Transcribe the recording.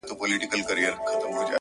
ښه موده کيږي چي هغه مجلس ته نه ورځمه!